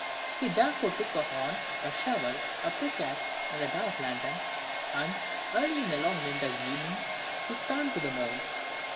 He therefore took a horn, a shovel, a pickaxe, and a dark lantern, and, early in a long winter's evening, he swam to the Mount.